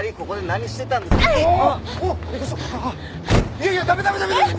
いやいやダメダメダメダメ！